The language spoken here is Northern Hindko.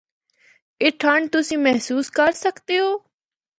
اے ٹھنڈ تُسیں محسوس کر سکدے او۔